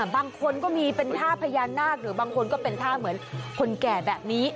บางคนก็มีเป็นท่าพญานาคหรือบางคนก็เป็นท่าเหมือนคนแก่แบบนี้